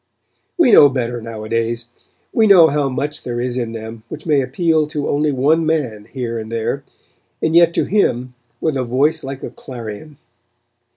We know better nowadays; we know how much there is in them which may appeal to only one man here and there, and yet to him with a voice like a clarion.